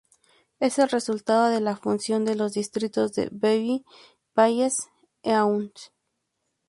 Es el resultado de la fusión de los distritos de Vevey y Pays-d'Enhaut.